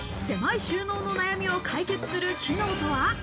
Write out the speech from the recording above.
狭い収納の悩みを解決する機能とは？